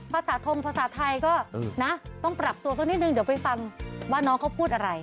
ภาษาทงภาษาไทยก็นะต้องปรับตัวสักนิดนึงเดี๋ยวไปฟังว่าน้องเขาพูดอะไร